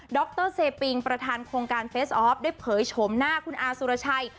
รเซปิงประธานโครงการเฟสออฟได้เผยโฉมหน้าคุณอาสุรชัย